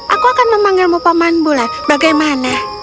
aku akan memanggilmu paman bulan bagaimana